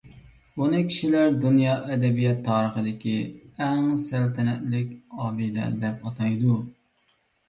ئۇنى كىشىلەر دۇنيا ئەدەبىيات تارىخىدىكى «ئەڭ سەلتەنەتلىك ئابىدە» دەپ ئاتايدۇ.